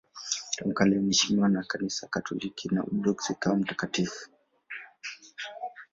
Tangu kale anaheshimiwa na Kanisa Katoliki na Waorthodoksi kama mtakatifu.